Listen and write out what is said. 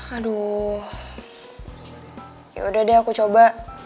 aduh yaudah deh aku coba